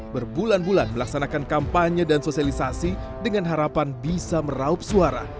berbulan bulan melaksanakan kampanye dan sosialisasi dengan harapan bisa meraup suara